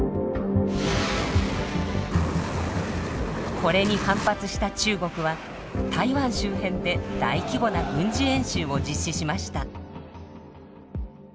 これに反発した中国は台湾周辺で大規模な軍事演習を実施しました。